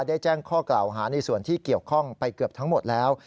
แจ้งข้อกล่าวหาในส่วนที่เกี่ยวข้องไปเกือบทั้งหมดแล้ว